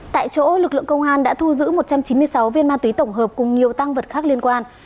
tại chỗ lực lượng công an đã thu giữ một trăm chín mươi sáu viên ma túy tổng hợp cùng nhiều tăng vật khác liên quan